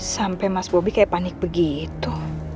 sampai mas bobi kayak panik begitu